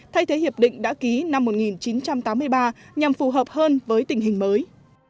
thay thế hiệp định đã ký năm một nghìn chín trăm tám mươi ba nhằm phù hợp hơn với tình hình mới